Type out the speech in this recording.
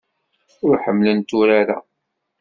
Ur ḥemmlent urar-a.